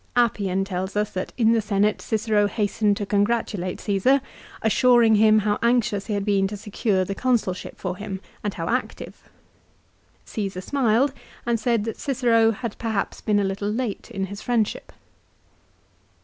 Appian tells us that in the Senate Cicero hastened to congratulate Caesar, assuring him how anxious he had been to secure the Consulship for him, and how active. Caesar smiled and said that Cicero had perhaps been a little late in his friendship.